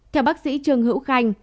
theo bác sĩ trương hữu khanh